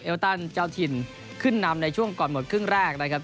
ตันเจ้าถิ่นขึ้นนำในช่วงก่อนหมดครึ่งแรกนะครับ